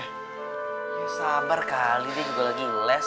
sabar kali dia juga lagi les